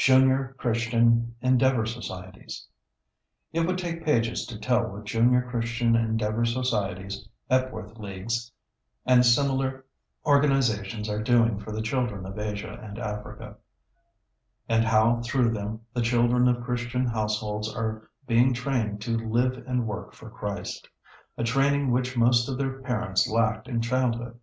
[Sidenote: Junior Christian Endeavor Societies.] It would take pages to tell what Junior Christian Endeavor Societies, Epworth Leagues, and similar organizations are doing for the children of Asia and Africa, and how through them the children of Christian households are being trained to live and work for Christ, a training which most of their parents lacked in childhood.